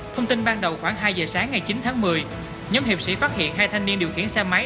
thông tin ban đầu khoảng hai giờ sáng ngày chín tháng một mươi nhóm hiệp sĩ phát hiện hai thanh niên điều khiển xe máy